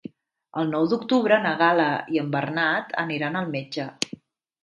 El nou d'octubre na Gal·la i en Bernat aniran al metge.